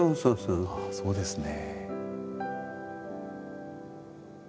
ああそうですね。